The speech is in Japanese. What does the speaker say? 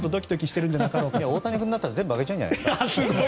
大谷君だったら全部あげちゃうんじゃないですか。